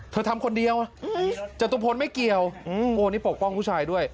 ทำคนเดียวจตุพลไม่เกี่ยวโอ้นี่ปกป้องผู้ชายด้วย